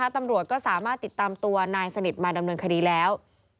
ตำรวจก็สามารถติดตามตัวนายสนิทมาดำเนินคดีแล้ว